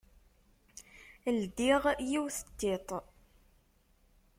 Ldiɣ yiwet n tiṭ.